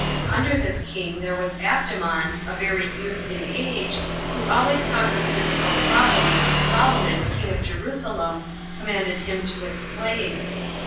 Under this king there was Abdemon, a very youth in age, who always conquered the difficult problems which Solomon, king of Jerusalem, commanded him to explain.